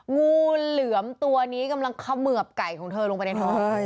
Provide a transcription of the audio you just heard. งูเหลือมตัวนี้กำลังเขมือบไก่ของเธอลงไปในท้อง